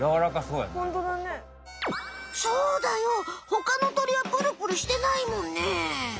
ほかの鳥はプルプルしてないもんね。